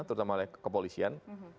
terutama oleh kepolisian